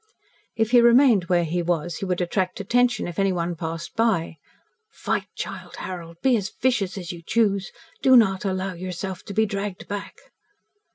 If he remained where he was he would attract attention if anyone passed by. "Fight, Childe Harold, be as vicious as you choose do not allow yourself to be dragged back."